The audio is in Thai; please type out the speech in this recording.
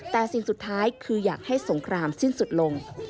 แต่สิ่งสุดท้ายคืออยากให้สงครามสิ้นสุดลง